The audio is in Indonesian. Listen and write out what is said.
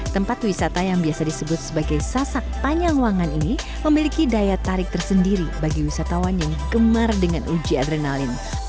tempat wisata yang biasa disebut sebagai sasak panjang ruangan ini memiliki daya tarik tersendiri bagi wisatawan yang gemar dengan uji adrenalin